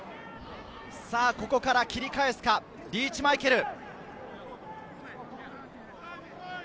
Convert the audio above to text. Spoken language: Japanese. さぁここから切り替えすか、リーチ・マイケル。